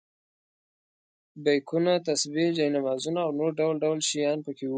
بیکونه، تسبیح، جاینمازونه او نور ډول ډول شیان په کې وو.